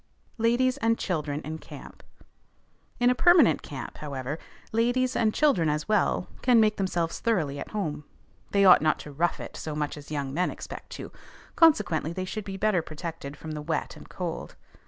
LADIES AND CHILDREN IN CAMP. In a permanent camp, however, ladies, and children as well, can make themselves thoroughly at home. They ought not to "rough it" so much as young men expect to: consequently they should be better protected from the wet and cold.